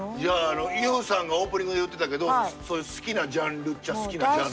ＹＯＵさんがオープニングで言ってたけど好きなジャンルっちゃ好きなジャンル。